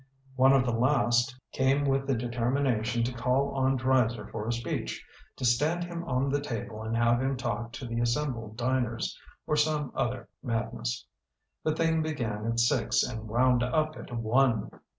One of the last came with the determination to call on Dreiser for a speech, to stand him on the table and have him talk to the as sembled diners, or some other mad ness. The thing began at six and wound up at one.